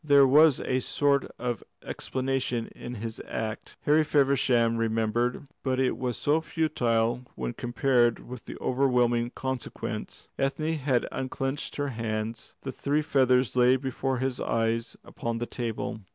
There was a sort of explanation of his act, Harry Feversham remembered; but it was so futile when compared with the overwhelming consequence. Ethne had unclenched her hands; the three feathers lay before his eyes upon the table.